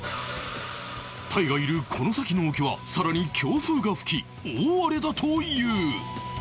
タイがいるこの先の沖は更に強風が吹き大荒れだという